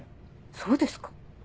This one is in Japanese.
そうですか？